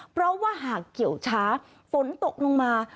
เพราะว่าหากเกี่ยวช้าฝนตกลงมา